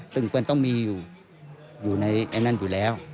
ซึ่งมันต้องมีอยู่ในนั้นอยู่แล้ว